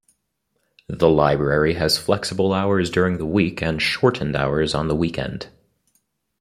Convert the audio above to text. The library has flexible hours during the week, and shortened hours on the weekend.